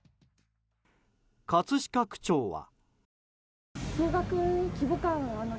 葛飾区長は。